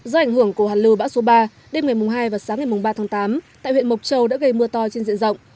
do ảnh hưởng của hàn lưu bão số ba đêm ngày hai và sáng ngày ba tháng tám tại huyện mộc châu đã gây mưa to trên diện rộng